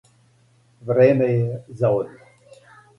Време је за одмор.